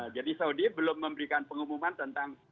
jadi saudi belum memberikan pengumuman tentang